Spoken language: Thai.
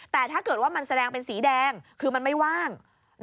แต่ถ้าเกิดว่ามันแสดงเป็นสีแดงคือมันไม่ว่าง